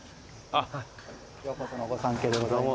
ようこそのご参詣でございます。